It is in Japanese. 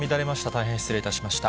大変失礼いたしました。